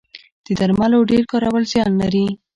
د درملو ډیر کارول زیان لري